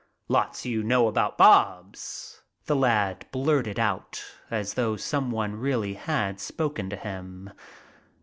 "Lots you know about Bobs," the lad blurted out as though someone really had spoken to him.